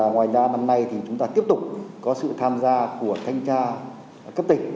ngoài ra năm nay thì chúng ta tiếp tục có sự tham gia của thanh tra cấp tỉnh